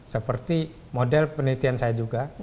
seperti model penelitian saya juga